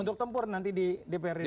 untuk tempur nanti di dprd